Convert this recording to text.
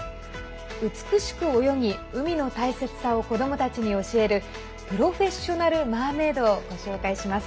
美しく泳ぎ、海の大切さを子どもたちに教えるプロフェッショナルマーメードをご紹介します。